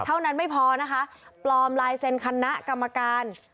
เท่านั้นไม่พอนะคะปลอมลายเซ็นคณะกรรมการ